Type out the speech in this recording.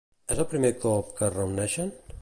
És el primer cop que es reuneixen?